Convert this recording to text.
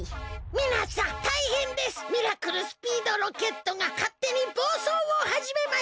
「みなさんたいへんです！ミラクルスピードロケットがかってにぼうそうをはじめました」。